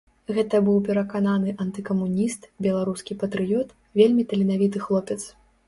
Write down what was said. Гэта быў перакананы антыкамуніст, беларускі патрыёт, вельмі таленавіты хлопец.